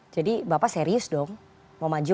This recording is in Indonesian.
jadi bapak serius dong mau maju